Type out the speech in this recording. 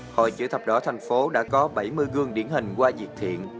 hội chữ thập đỏ thành phố đã có bảy mươi gương điển hình qua việc thiện